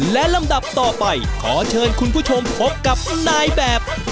และลำดับต่อไปขอเชิญคุณผู้ชมพบกับนายแบบ